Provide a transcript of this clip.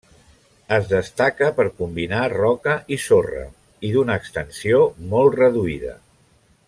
Es destaca per combinar roca i sorra, i d'una extensió molt reduïda.